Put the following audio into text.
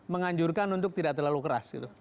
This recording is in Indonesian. menganjurkan untuk tidak terlalu keras gitu